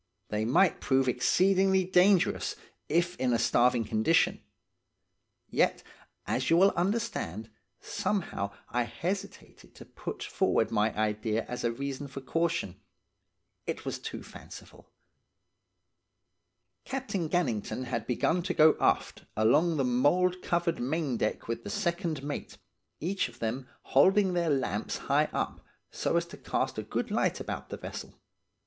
They might prove exceedingly dangerous, if in a starving condition; yet, as you will understand, somehow I hesitated to put forward my idea as a reason for caution, it was too fanciful. "Captain Gannington had begun to go aft along the mould covered main deck with the second mate, each of them holding their lamps high up, so as to cast a good light about the vessel.